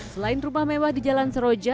selain rumah mewah di jalan seroja